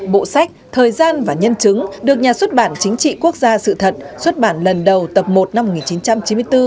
bộ sách thời gian và nhân chứng được nhà xuất bản chính trị quốc gia sự thật xuất bản lần đầu tập một năm một nghìn chín trăm chín mươi bốn